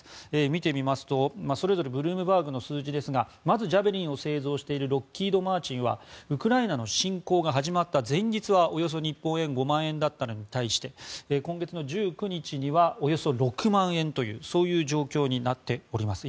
見てみますと、それぞれブルームバーグの数字ですがまずジャベリンを製造しているロッキード・マーチンはウクライナの侵攻が始まった前日はおよそ日本円で５万円だったのに対して今月１９日にはおよそ６万円という状況になっています。